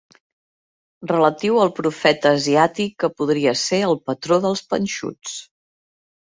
Relatiu al profeta asiàtic que podria ser el patró dels panxuts.